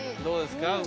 どうですか？